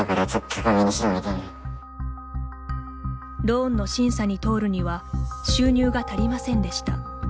ローンの審査に通るには収入が足りませんでした。